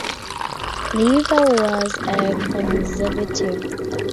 Leiva was a conservative.